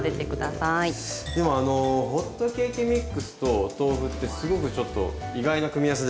でもホットケーキミックスとお豆腐ってすごくちょっと意外な組み合わせですね。